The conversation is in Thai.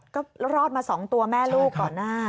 ก็รอดมา๒ตัวแม่ลูกก่อนหน้า